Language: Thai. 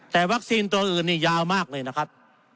แต่วัคซีนตัวอื่นนี่ยาวมากเลยนะครับ